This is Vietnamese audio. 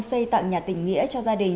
xây tặng nhà tỉnh nghĩa cho gia đình